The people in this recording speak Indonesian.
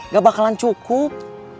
gak bakalan cukup